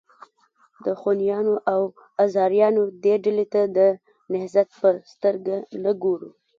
د خونیانو او آزاریانو دې ډلې ته د نهضت په سترګه نه ګورو.